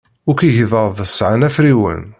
Akk igḍaḍ sɛan afriwen.